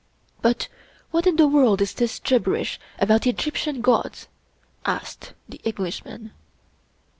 " But what in the world is this gibberish about Egyptian gods?" asked the Englishman.